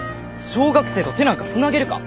小学生と手なんかつなげるか。